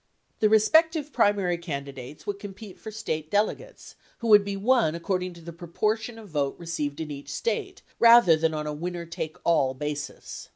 The respective primary candidates would compete for State delegates who would be won according to the proportion of vote received in each State, rather than on a winner take all basis.